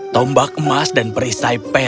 tombak emas dan perisai